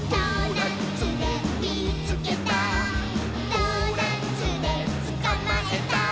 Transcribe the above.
「ドーナツでつかまえた！」